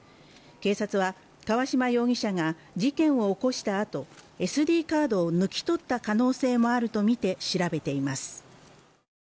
警察は川島容疑者が事件を起こしたあとＳＤカードを抜き取った可能性もあるとみて調べています